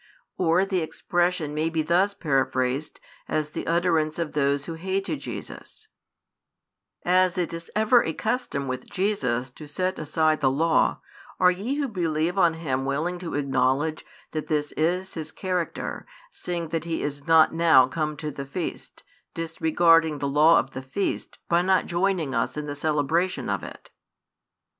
Or the expression may be thus paraphrased as the utterance of those who hated Jesus: "As it is ever a custom with Jesus to set aside the law, are ye who believe on Him willing to acknowledge that this is His character, seeing that He is not now come to the feast, disregarding the law of the feast by not joining us in the celebration of it?"